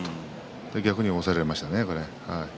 逆に押されましたね。